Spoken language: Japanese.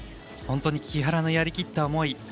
本当に木原のやりきった思い。